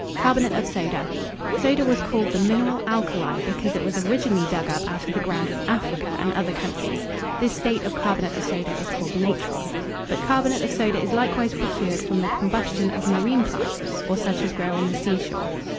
CARBONATE OF SODA Soda was called the mineral alkali, because it was originally dug up out of the ground in Africa and other countries: this state of carbonate of soda is called natron. But carbonate of soda is likewise procured from the combustion of marine plants, or such as grow on the sea shore.